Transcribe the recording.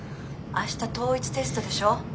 明日統一テストでしょ？